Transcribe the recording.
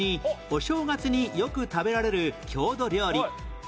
お正月によく食べられる郷土料理